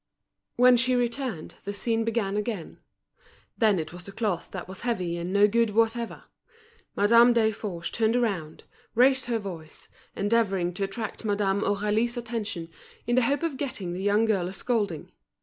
When she returned, the scene began again. Then it was the cloth that was heavy and no good whatever. Madame Desforges turned round, raised her voice, endeavouring to attract Madame Aurélie's attention, in the hope of getting the young girl a scolding.